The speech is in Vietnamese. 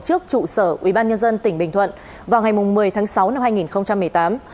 trước trụ sở ubnd tỉnh bình thuận vào ngày một mươi tháng sáu năm hai nghìn một mươi tám